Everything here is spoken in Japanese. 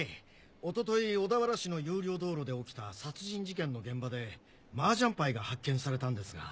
一昨日小田原市の有料道路で起きた殺人事件の現場でマージャンパイが発見されたんですが。